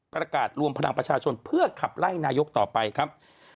ประกาศรวมพลังประชาชนเพื่อขับไล่นายกต่อไปครับ